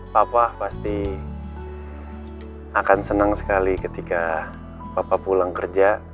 papa pasti akan senang sekali ketika bapak pulang kerja